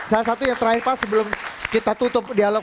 salah satu yang terakhir pak sebelum kita tutup dialog